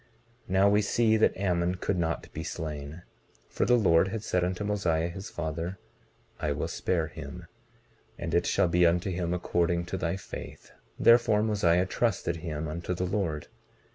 19:23 Now we see that Ammon could not be slain, for the Lord had said unto Mosiah, his father: I will spare him, and it shall be unto him according to thy faith—therefore, Mosiah trusted him unto the Lord.